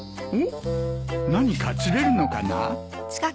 何か釣れるのかな？